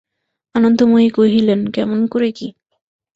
আনন্দময়ী কহিলেন, কেমন করে কী!